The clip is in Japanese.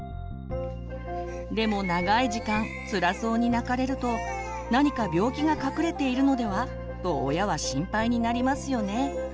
でも長い時間つらそうに泣かれると「何か病気が隠れているのでは？」と親は心配になりますよね。